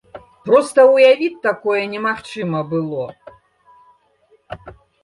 Проста ўявіць такое немагчыма было!